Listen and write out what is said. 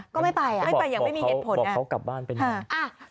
ก็ไม่ไปเหรอบอกเขากลับบ้านเป็นอย่างไรไม่ไปอย่างไม่มีเหตุผล